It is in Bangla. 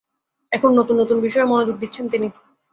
এখন নতুন নতুন বিষয়ে মনোযোগ দিচ্ছেন তিনি।